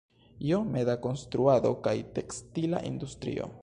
Iome da konstruado kaj tekstila industrio.